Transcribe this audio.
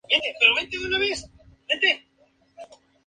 Estuvo directamente implicado en el desarrollo del Tesla Roadster.